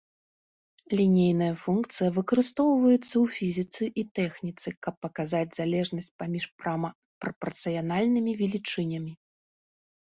Лінейная функцыя выкарыстоўваецца ў фізіцы і тэхніцы, каб паказаць залежнасць паміж прама прапарцыянальнымі велічынямі.